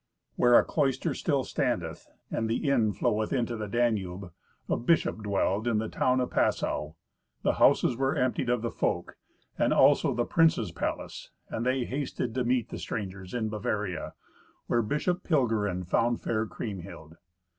Where a cloister still standeth, and the Inn floweth into the Danube, a bishop dwelled in the town of Passau. The houses were emptied of the folk, and also the prince's palace, and they hasted to meet the strangers in Bavaria, where Bishop Pilgerin found fair Kriemhild.